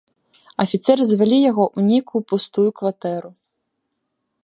Афіцэры завялі яго ў нейкую пустую кватэру.